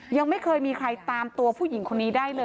ยังไม่เคยมีใครตามตัวผู้หญิงคนนี้ได้เลย